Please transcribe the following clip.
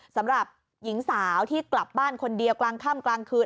สำหรับหญิงสาวที่กลับบ้านคนเดียวกลางค่ำกลางคืน